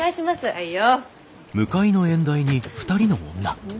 はいよ。